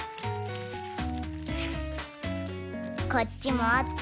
こっちもおって。